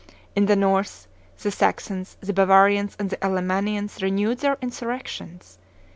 In the north, the Saxons, the Bavarians, and the Allemannians renewed their insurrections.